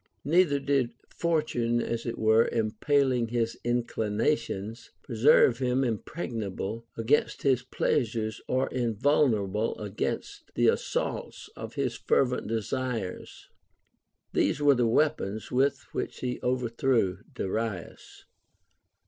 Neither did For tune, as it Avere empaling his inclinations, preserve him im pregnable against his pleasures or invulnerable against the assaults of his fervent desires. These Λvere the Λveapons witli which he overthrew Darius.